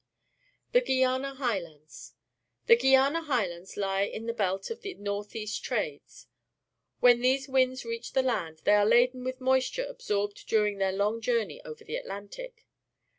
The Guiana Highlands. — The Guiana High lands lie in tlie belt of the north east trades. When these winds reach the land, they are laden with moisture absorbed during their long journey over the Atlantic.